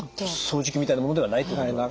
掃除機みたいなものではないってことですね？